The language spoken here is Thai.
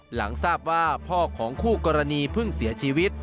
หลังทราบว่าพ่อของคู่กรณีเพิ่งเสียชีวิต